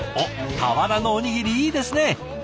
俵のおにぎりいいですね！